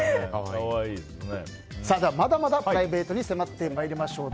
まだまだプライベートに迫っていきましょう。